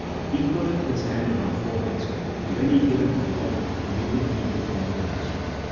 He putteth his hand on our foreheads ; and when he giveth the order, removeth evil from within us.